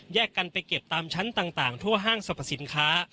กันไปเก็บตามชั้นต่างทั่วห้างสรรพสินค้า